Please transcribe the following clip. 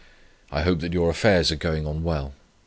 I hope that your affairs are going on well.